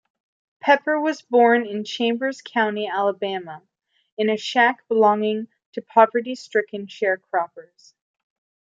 Pepper was born in Chambers County, Alabama, in a shack belonging to poverty-stricken sharecroppers.